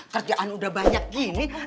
kerjaan udah banyak gini